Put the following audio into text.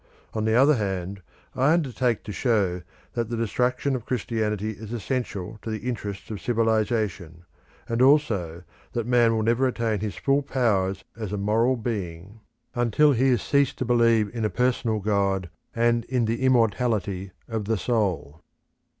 On the other hand, I undertake to show that the destruction of Christianity is essential to the interests of civilisation; and also that man will never attain his full powers as a moral being until he has ceased to believe in a personal God and in the immortality of the soul.